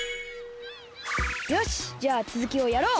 よしじゃあつづきをやろう！